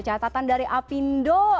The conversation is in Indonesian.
catatan dari apindo